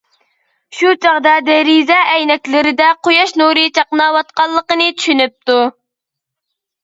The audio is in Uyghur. شۇ چاغدا دېرىزە ئەينەكلىرىدە قۇياش نۇرى چاقناۋاتقانلىقىنى چۈشىنىپتۇ.